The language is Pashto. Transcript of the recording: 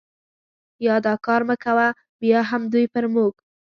یا دا کار مه کوه، بیا هم دوی پر موږ.